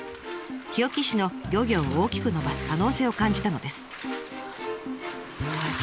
日置市の漁業を大きく伸ばす可能性を感じたのです。